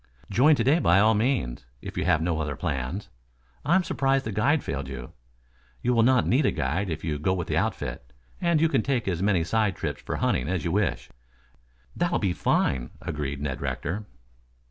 "Join to day by all means, if you have no other plans. I am surprised that the guide failed you. You will not need a guide if you go with the outfit, and you can take as many side trips for hunting, as you wish." "That will be fine," agreed Ned Rector.